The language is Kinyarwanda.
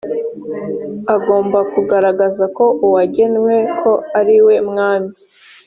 agomba kugaragaza ko uwagenwe ko ariwe mwami